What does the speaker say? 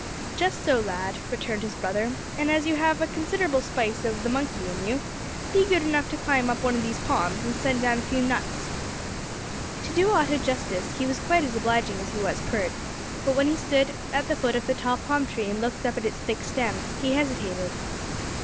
"Just so, lad," returned his brother; "and as you have a considerable spice of the monkey in you, be good enough to climb up one of these palms, and send down a few nuts." To do Otto justice, he was quite as obliging as he was pert; but when he stood at the foot of the tall palm tree and looked up at its thick stem, he hesitated.